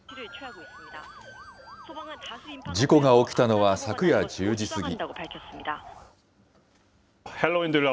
事故が起きたのは昨夜１０時過ぎ。